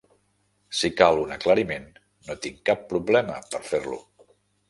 Si cal un aclariment, no tinc cap problema per fer-lo.